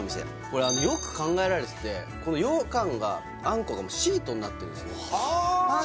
これあのよく考えられててこの羊羹があんこがシートになってるんすねあっ！